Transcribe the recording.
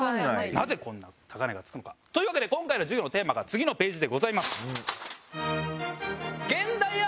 なぜこんなに高値がつくのか？というわけで今回の授業のテーマが次のページでございます。